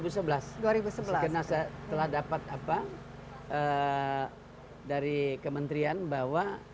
sekitar setelah dapat apa dari kementrian bahwa